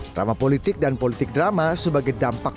drama politik dan politik drama sebagai dampak